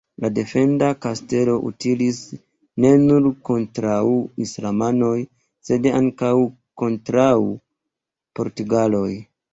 La defenda kastelo utilis ne nur kontraŭ islamanoj, sed ankaŭ kontraŭ portugaloj.